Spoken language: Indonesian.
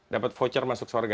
dapat voucher masuk sorga